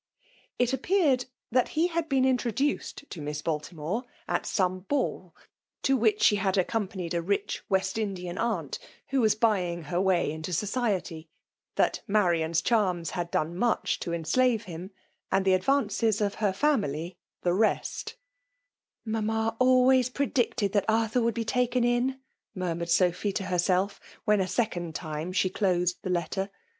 It appeared that he had been FBMALB ]>OMINATION. 11 introduced to Miss Baltimore^ at some ball to irhicli she had aceompanied a rich West Indian aunt, vbo was baying her way into society ;<— that Marian's cliarms had done much to en slaTehiin, and the advances of her family the rest '^ Mamma always predicted that Arthur woidd be taken in !*^ mumnired Sophy to ker sdf, when a second time she closed the letter.